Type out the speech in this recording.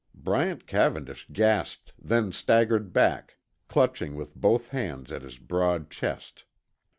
Bryant Cavendish gasped, then staggered back, clutching with both hands at his broad chest.